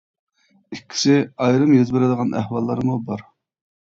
ئىككىسى ئايرىم يۈز بېرىدىغان ئەھۋاللارمۇ بار.